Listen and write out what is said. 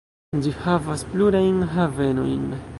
Ĝi havas plurajn havenojn.